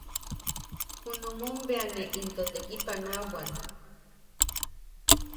Junum bea ne into tekipanoa bwan.